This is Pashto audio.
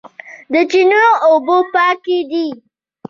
د چینو اوبه پاکې دي